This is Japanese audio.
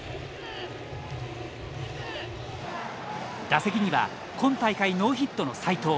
打席には今大会ノーヒットの斎藤。